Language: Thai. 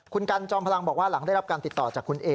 คุณกันจอมพลังบอกว่าหลังได้รับการติดต่อจากคุณเอ